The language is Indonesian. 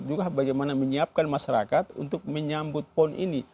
juga bagaimana menyiapkan masyarakat untuk menyambut pon ini